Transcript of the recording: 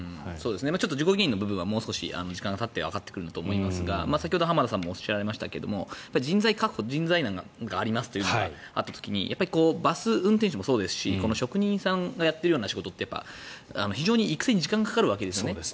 ちょっと事故原因の部分はもう少し時間がたってわかってくるんだと思いますが先ほど浜田さんもおっしゃられましたが人材確保人材難がありますというのがあった時にバス運転手もそうですしこの職人さんがやっているような仕事って非常に育成に時間がかかるわけですよね。